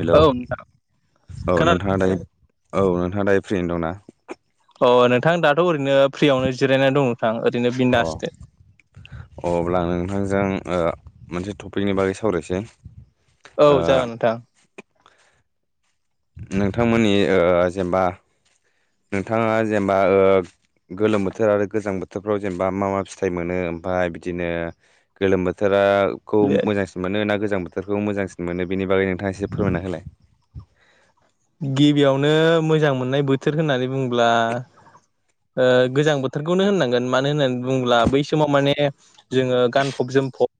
Hello औ नोंथां औ खोनादों नोंथाङा दायो औ नोंथाङा दायो फ्रिनो दंना? अ नोंथां दाथ' ओरैनो फ्रियावनो जिरायनानै दं नोंथां ओरैनो बिन्दास अ अब्ला नोंथांजों ओ मोनसे टपिकनि बागै सावरायसै। औ ओ जागोन नोंथां। नोंथांमोननि ओ जेनेबा नोंथाङा जेनेबा ओ गोलोम बोथोर आरो गोजां बोथोर बोथोरफ्राव जेनेबा मा मा फिथाइ मोनो ओमफ्राय बिदिनो गोलोम बोथोराखौ मोजांसिन मोनो ना गोजां बोथोरखौ मोजांसिन मोनो बेनि बागै नोंथाङा एसे फोरमायना होलाय। गिबियावनो मोजां मोननाय बोथोर होननानै बुङोब्ला ओ गोजां बोथोरखौनो होननांगोन मानो होननानै बुङोब्ला बै समाव माने जोङो गानफब जोमफब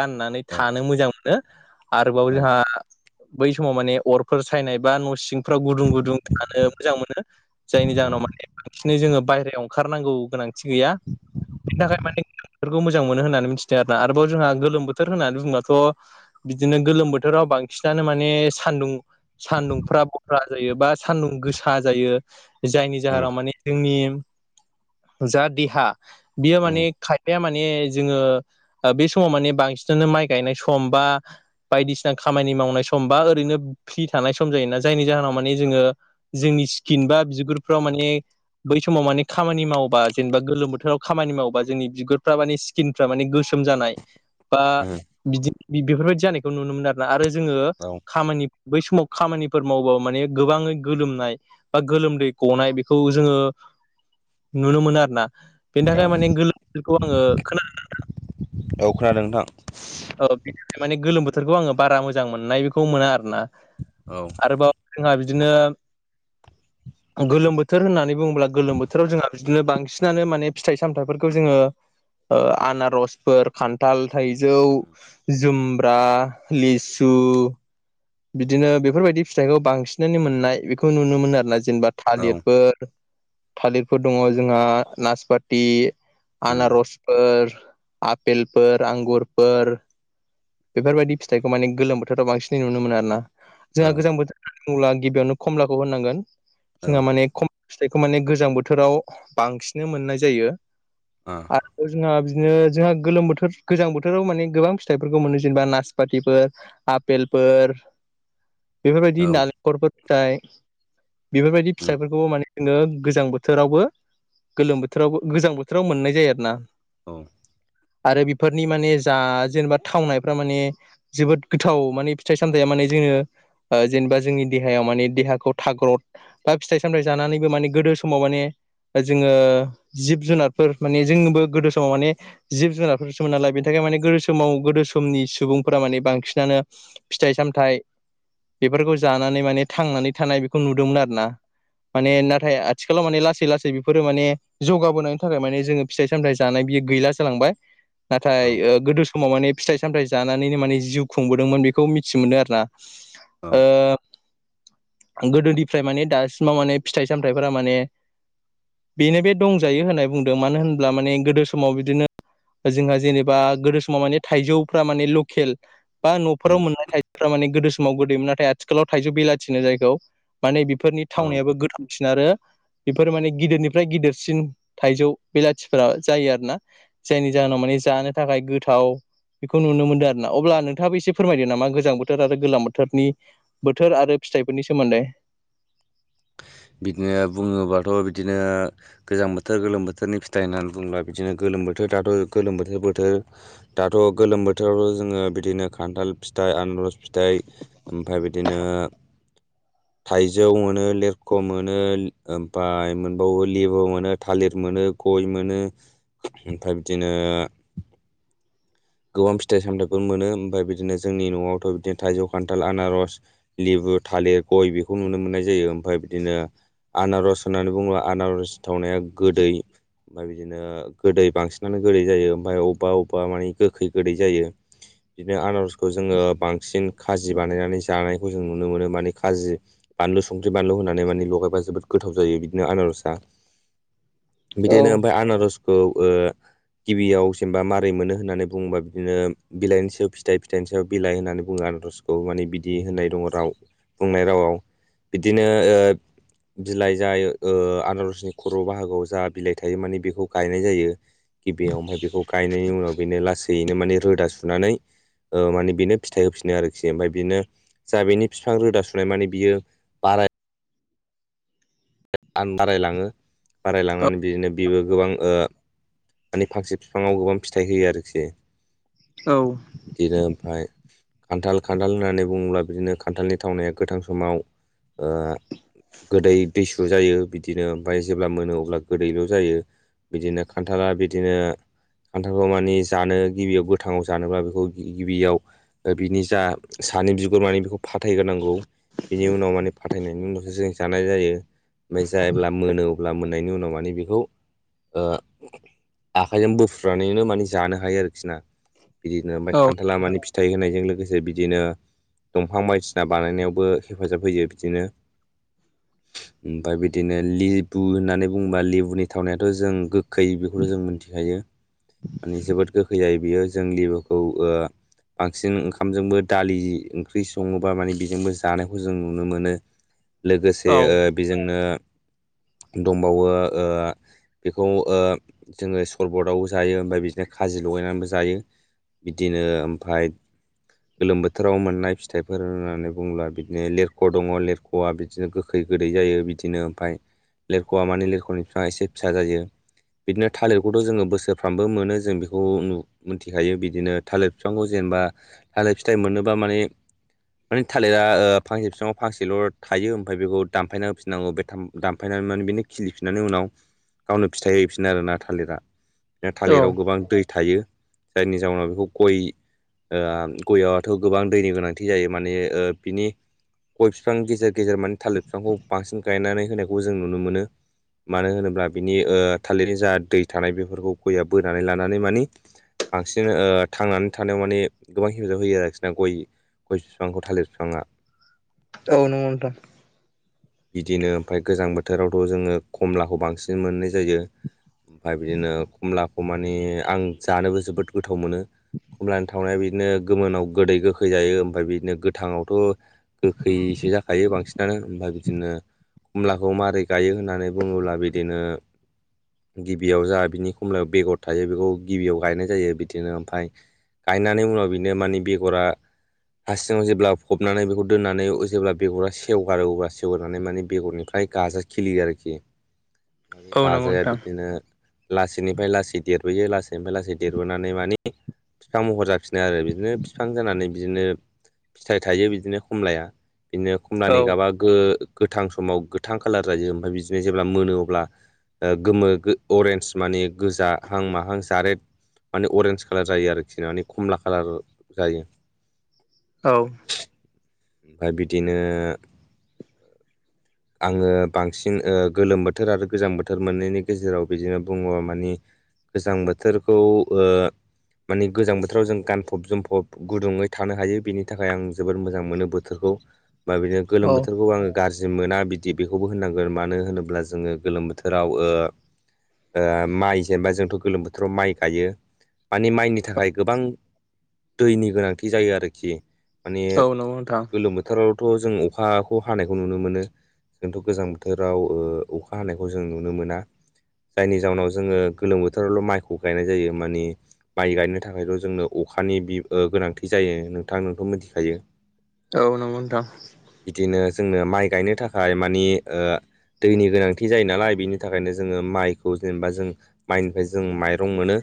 गाननानै औ थानो मोजां मोनो। आरोबाव औ जोंहा बै समाव माने अरफोर सायनाय बा न' सिं फ्राव गुदुं गुदुं थानो मोजां मोनो जायनि उम जाहोनाव माने बांसिनै जोङो बायहेरायाव ओं खारनांगौ गोनांथि गैया बेनि थाखाय मानेफोरखौ मोजां मोनो होननानै मिथिदों आ रोना आरोबाव जोंहा गोलोम बोथोर होननानै बुङोबाथ' बिदिनो गोलोम बोथोराव बांसिनानो माने सान्दुं सानदुंफ्रा फ्रा जायो बा सान्दुं गोसा जायो जायनि उम जाहोनाव माने जोंनि जा देहा बेयो माने उम खायफाया माने जोङो ओ बे समाव माने बांसिनानो माइ गायनाय सम बा बायदिसिना खामानि मावनाय सम बा ओरैनो फ्रि थानाय सम जायोना जायनि जाहोनाव माने जोङो जोंनि स्किन बा बिगुरफ्राव माने बै समाव माने खामानि मावबा जेनेबा गोलोम बोथोराव खामानि मावबा जोंनि बिगुरफ्रा माने स्किनफ्रा माने गोसोम जानाय बा उम बिदि बेफोरबायदि जानायखौ नुनो मोनो आरोना आरो जोङो औ खामानि बै समाव खामानिफोर मावबो माने गोबाङै गोलोमनाय बा गोलोमदै गनाय बेखौ जोङो नुनो मोनो आरो ना। बेनि औ थाखाय माने गोलोमखौ आङो खोन औ खोनादों नोंथां। औ बेनि माने गोलोम बोथोरखौ आङो बारा मोजां मोननाय बेखौ मोना आरो ना। औ। आरोबाव जोंहा बिदिनो [inaudible] गोलोम बोथोर होननानै बुङोब्ला गोलोम बोथोराव जोंहा बिदिनो बांसिनानो माने फिथाइ सामथाइफोरखौ जोङो ओ आनारसफोर खान्थाल थाइजौ जुमब्रा लिसु बिदिनो बेफोरबायदि फिथाइखौ बांसिनानो मोननाय बेखौ नुनो मोनो आरो ना जेनेबा औ थालिरफोर थालिरफोर दङ जोंहा नासपाथि उम आनारस फोर आफेलफोर आंगुरफोर बेफोरबायदि फिथाइखौ माने गोलोम बोथोराव बांसिनै नुनो मोनो आरो ना जोंहा औ गोजां बोथोर होनब्ला गिबियावनो खमलाखौ होनांगोन औ जोंहा माने खम फिथाइखौ माने गोजां बोथोराव बांसिनो मोननाय जायो। ओ आरो जोंहा बिदिनो जोंहा गोलोम बोथोर गोजां बोथोराव माने गोबां फिथाइ फोरखौ मोनो जेनबा नासपाथिफोर आफेलफोर औ बेफोरबायदि नाले खरफोर फिथाइ बेफोरबायदि उम फिथाइफोरखौबो माने जोङो गोजां बोथोरावबो गोलोम बोथोरावबो गोजां बोथोराव मोननाय जायो आरो ना औ आरो बेफोरनि माने जा जेनेबा थावनायफ्रा माने जोबोद गोथाव माने फिथाइ सामथाइया माने जोङो ओ जेनबा जोंनि देहायाव माने देहाखौ थाग्रद बा फिथाइ सामथाइ जानानैबो माने गोदो समाव माने जोङो जिब जुनारफोर माने जोंबो गोदो समाव माने जिब जुनारफोरसोमोन नालाय बेनि थाखाय माने गोदो उम समाव गोदो समनि सुबुंफोरा माने बांसिनानो फिथाइ सामथाइ बेफोरखौ जानानै माने थांनानै थानाय बेखौ नुदोंमोन आरो ना माने औ नाथाय आथिखालाव माने लासै लासै बेफोरो माने जौगाबोनायनि थाखाय माने जोङो फिथाइ सामथाइ जानाय बियो गैला जालांबाय नाथाय औ ओ गोदो समाव माने फिथाइ सामथाइ जानानैनो माने जिउ खुंबोदोंमोन बेखौ मिथि मोनो आरो ना औ ओ गोदोनिफ्राय माने दासिमाव माने फिथाइ सामथाइफोरा माने बेनो बे दंजायो होननाय बुंदों मानो होनब्ला माने गोदो समाव बिदिनो जोंहा जेनेबा गोदो समाव माने थाइजौफ्रा माने लकेल बा उम न'फोराव मोननाय थाइ फ्रा माने गोदो समाव गोदैमोन नाथाय आथिखालाव थाइजौ बेलाथिनो जायखौ माने बेफोरनि औ थावनायाबो गोथांसिन आरो बेफोर माने गिदिरनिफ्राय गिदिरसिन थाइजौ बेलाथिफोरा जायो आरो ना जायनि औ जाहोनाव माने जानो थाखाय गोथाव बेखौ नुनो मोनदों आरो ना अब्ला नोंथाङाबो एसे फोरमायदो नामा गोजां बोथोर आरो गोलोम बोथोरनि बोथोर आरो फिथाइफोरनि सोमोन्दै बिदिनो बुङोबाथ' बिदिनो गोजां बोथोर गोलोम बोथोरनि फिथाइ होननानै बुंङोब्ला बिदिनो गोलोम बोथोर दाथ' गोलोम बोथोर बोथोर दाथ' गोलोम बोथोरावथ' जोङो बिदिनो खान्थाल फिथाइ आनरस फिथाइ ओमफाय बिदिनो थाइजौ मोनो लेर ख' मोनो ओमफाय मोनबावो लिबु मोनो थालिर मोनो गय मोनो। ओमफाय बिदिनो गोबां फिथाइ सामथाइफोर मोनो ओमफाय बिदिनो जोंनि न'आवथ' बिदिनो थाइजौ खान्थाल आनारस लेबु थालिर गय बेखौ नुनो मोननाय जायो ओमफाय बिदिनो आनारस होननानै बुङोब्ला आनारस थावनाया गोदै ओमफाय बिदिनो गोदै बांसिनानो गोदै जायो ओमफाय अबबा अबबा माने गोखै गोदै जायो। बिदिनो आनारसखौ जोङो बांसिन खाजि बानायनानै जानायखौ जों नुनो मोनो माने खाजि बानलु संख्रि बानलु होनानै माने लगायबा जोबोद गोथाव जायो बिदिनो आनारसआ औ बिदिनो ओमफाय आनारसखौ ओ गिबियाव जेमबा मारै मोनो होननानै बुंबा बिदिनो बिलाइनि सायाव फिथाइ फिथाइनि सायाव बिलाइ होननानै बुङो आनसखौ माने बिदि होनाय दं राव बुंनाय रावआव बिदिनो ओ बिलाइ जाय ओ आनारसनि खर' बाहागोआव जा बिलाइ थायो माने बेखौ गायनाय जायो। गिबियाव ओमफाय बेखौ गायनायनि उनाव बेनो लासैनो माने रोदा सुनानै ओ माने बेनो फिथाइ होफिनो आरोखि ओमफाय बिनो जा बेनि बिफां रोदा सु नाय माने बियो बाराय बारायलाङो औ बारायलांनानै बिदिनो बेबो गोबां ओ माने फांसे बिफाङाव गोबां फिथाइ होयो आरोखि औ बिदिनो ओमफ्राय खान्थाल खान्थाल होननानै बुङोब्ला बिदिनो खान्थालनि थावनाया गोथां समाव गोदै दैसु जायो बिदिनो ओमफ्राय जेब्ला मोनो अब्ला गोदैल' जायो बिदिनो खान्थाल खान्थाला बिदिनो खान्थालखौ माने जानो गिबियाव गोथाङाव जानोब्ला बेखौ गिबियाव बिनि जा सानि बिगुर मानि बेखौ फाथायग्रोनांगौ बिनि उनाव माने फाथायनायनि उनावसो जों जानाय जायो ओमफ्राय जेब्ला मोनो अब्ला मोननायनि उनाव मानि बेखौ आखाइजों बोफ्रुनानैनो माने जानो हायो आरोखि ना बिदिनो ओमफ्राय खान्थाला मानि फिथाइ होनायजों लोगोसे बिदिनो दंफां बायदिसिना बानायनायावबो हेफाजाब होयो बिदिनो ओमफ्राय बिदिनो लेबु होननानै बुङोबा लेबुनि थावनायाथ' जों गो- गोखै बेखौथ' जों मिथिखायो माने जोबोद गोखै जायो बियो जों लिबुखौ बांसिन ओंखामजोंबो दालि ओंख्रि सङोबा माने बेजोंबो जानायखौ जों नुनो मोनो [inaudible] लोगोसे औ बेजोंनो दंबावो बेखौ जोङो सरबतआवबो जायो ओमफ्राय बिदिनो खाजि लगायनानैबो जायो बिदिनो ओमफ्राय गोलोम बोथोराव मोननाय फिथाइफोर होननानै बुङोबा बिदिनो लेरख' दङ लेरख' लेरखवा बिदिनो गोखै गोदै जायो बिदिनो ओमफ्राय लिरख'आ मानि लिरख'नि बिफांआ एसे फिसा जायो बिदिनो थालिरखौथ' जोङो बोसोरफ्रामबो मोनो जों बेखौ नु- मिथिखायो बिदिनो थालिर बिफांखौ जेनेबा थालिर फिथाइ मोननोबा माने माने थालिरा फांसे बिफाङाव फांसेल' थायो ओमफ्राय बेखौ दानफायना होफिननांगौ बे था- दानफायनानै माने बिनो खिलिफिननानै उनाव गावनो फिथाइ होहै फिनो आरोना थालिरा बिदिनो औ थालिराव गोबां दै थायो जायनि जाउनाव बेखौ गय गयावथ' गोबां दैनि गोनांथि जायो माने बिनि गय बिफां गेजेर गेजेर माने थालिर बिफांखौ बांसिन गायनानै होनायखौ जों नुनो मोनो मानो होनोब्ला बिनि थालिरनि जा दै थानाय बेफोरखौ गयआ बोनानै लानानै मानि बांसिन थांनानै थानायाव माने गोबां हेफाजाब होयो आरोखि ना गय गय बिफांखौ थालिर बिफांआ औ नंगौ नोंथां बिदिनो ओमफ्राय गोजां बोथोरावथ' जोङो कमलाखौ बांसिन मोननाय जायो ओमफ्राय बिदिनो कमलाखौ मानि आं जानोबो जोबोद गोथाव मोनो कमलानि थावनाया बिदिनो गोमोनाव गोदै गोखै जायो ओमफ्राय बिदिनो गोथांआवथ' गोखैयसो जाखायो बांसिनानो ओमफ्राय बिदिनो खमलाखौ मारै गायो होननानै बुङोब्ला बिदिनो गिबियाव जा बिनि खमलायाव बेगर थायो बेखौ गिबियाव गायनाय जायो बिदिनो ओमफ्राय गायनानै उनाव बिनो मानि बेगरा हासिङाव जेब्ला फबनानै बेखौ दोननानै जेब्ला बेगरा सेवगारो अब्ला सेवगारनानै माने बेगरनिफ्राय गाजा खिलियो आरोखि औ नंगौ गाजाया नोंथां। बिदिनो लासैनिफ्राय लासै देरबोयो लासैनिफ्राय लासै देरबोनानै मानि बिफां महर जाफिनो आरो बिदिनो बिफां जानानै बिदिनो फिथाइ थायो बिदिनो खमलाया बिदिनो औ खमलानि गाबा गोथां समाव गोथां कालार जायो ओमफ्राय बिदिनो जेब्ला मोनो अब्ला गोमो अरेन्ज मानि गोजा हां माहां जारेड माने अरेन्ज खाालार जायो आरोखि माने खमला खाालार जायो औ ओमफ्राय बिदिनो आङो बांसिन गोलोम बोथोर आरो गोजां बोथोर मोननैनि गेजेराव बिदिनो बुङो मानि गोजां बोथोरखौ ओ माने गोजां बोथोराव जों गानफब जोमफब गुदुङै थानो हायो बेनि थाखाय आं जोबोर मोजां मोनो बोथोरखौ बा बिनो औ गोलोम बोथोरखौबो आंङो गाज्रि मोना बिदि बेखौबो होननांगोन मानो होनोब्ला जोङो गोलोम बोथोराव ओ ओ माइ जेनेबा जोंथ' गोलोम बोथोराव माइ गायो। माने माइनि थाखाय गोबां दैनि गोनांथि जायो आरोखि। माने नंगौ नोंथां गोलोम बोथोरावथ' जों अखाखौ हानायखौ नुनो मोनो। जोंथ' गोजां बोथोराव ओ अखा हानायखौ जों नुनो मोना। जायनि जाउनाव जोंङो गोलोम बोथोरावल' माइखौ गायनाय जायो मानि माइ गायनो थाखायल' जोंनो अखानि बि गोनांथि जायो नोंथां नोंथ' मिथिखायो। औ नंगौ नोंथां। बिदिनो जोंनो माइ गायनो थाखाय मानि ओ दैनि गोनांथि जायो नालाय बिनि थाखायनो जोंङो माइखौ जेनेबा जों माइनिफ्राय जों माइरं मोनो।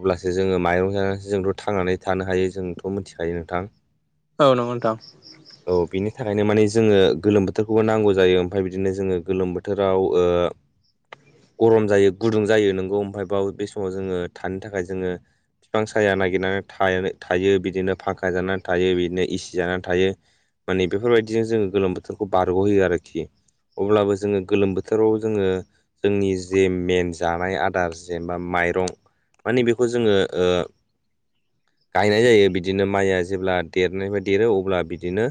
अब्लासो जोंङो माइरं जानानैसो जोंथ' थांनानै थानो हायो जोंथ' मिथिखायो नोंथां। औ नंगौ नोंथां। औ बिनि थाखायनो माने जोंङो गोलोम बोथोर खौ नांगौ जायो ओमफफ्राय बिदिनो जोंङो गोलोम बोथोराव ओ गरम जायो गुदुं जायो नोंगौ ओमफ्राय बाव बे समाव जोंङो थानो थाखाय जोंङो बिफां साया नागिरनानै था थायो बिदिनो फांखा जानानै थायो बिदिनो एसि जानानै थायो। माने बेफोरबायदिजों जोंङो गोलोम बोथोरखौ बारग'होयो आरोखि। अब्लाबो जोंङो गोलोम बोथोराव जोंङो जोंनि जे मेन जानाय आदार जेनेबा माइरं माने बेखौ जोंङो ओ गायनाय जायो बिदिनो माइआ जेब्ला देरनायनिफ्राय देरो अब्ला बिदिनो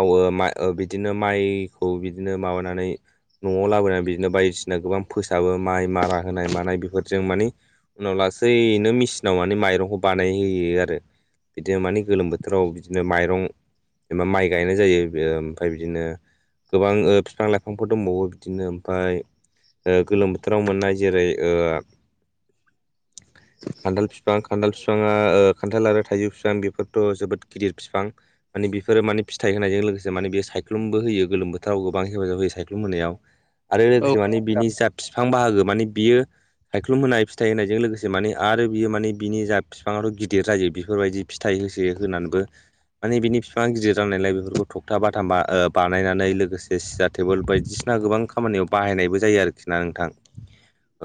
गावो मा बिदिनो माइखौ बिदिनो माबानानै न'आव लाबोनानै बिदिनो बायदिसिना गोबां फोसाबो माइ मारा होनाय मानाय बेफोरजों मानि उनाव लासैैनो मेचिनाव माने माइरंखौ बानायहोयो आरो बिदिनो मानि गोलोम बोथोराव बिदिनो माइरं जेनेबा माइ गायनाय जायो ओमफ्राय बिदिनो गोबां ओ बिफां लाइफांफोर दंबावो बिदिनो ओमफ्राय गोलोम बोथोराव मोननाय जेरै ओ खान्थाल फिफां खान्थाल बिफाङा खान्थाल आरो थाइजौ फिफां बेफोरथ' जोबोद गिदिर फिफां माने बेफोरो माने फिथाइ होनायजों लोगोसे माने बे सायख्लुमबो होयो गोलोम बोथ बोथोराव गोबां हेफाजाब होयो सायख्लुम होनायाव आरो औ लोगोसे माने बिनि जा बिफां बाहागो माने बियो सायख्लुम होनाय फिथाइ होनायजों लोगोसे माने आरो बियो माने बिनि जा बिफाङाथ' गिदिर जायो बेफोरबायदि फिथाइ होसो होनानैबो माने बिनि बिफां गिदिर जानायलाय बेफोरखौ थगथा बाथाम बानायनानै लोगोसे सियार टेबोल बायदिसिना गोबां खामानियाव बाहायनायबो जायो आरोखि ना नोंथां।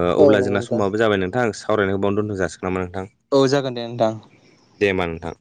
अब्ला नंगौ जोंना नोंथां समाबो जाबाय नोंथां सावरायनायखौ बावनो दोनथ' जासिगोन नामा नोंथां औ जागोन दे नोंथां दे होमबा नोंथां